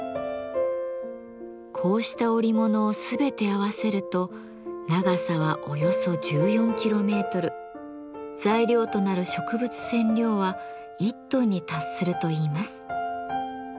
こうした織物を全て合わせると長さはおよそ１４キロメートル材料となる植物染料は１トンに達するといいます。